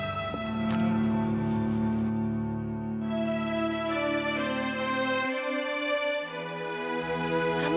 kamu gak usah lagi